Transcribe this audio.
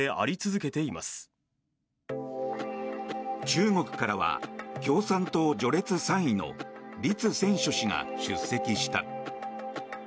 中国からは共産党序列３位のリツ・センショ氏が出席した。